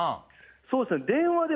そうですね。